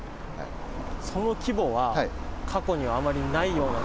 その規模は、過去にはあまりないような？